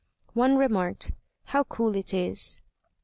One remarked, "How cool it is."